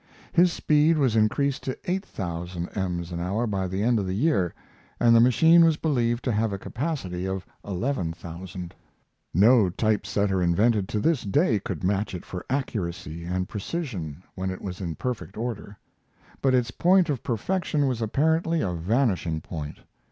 His speed was increased to eight thousand ems an hour by the end of the year, and the machine was believed to have a capacity of eleven thousand. No type setter invented to this day could match it for accuracy and precision when it was in perfect order, but its point of perfection was apparently a vanishing point.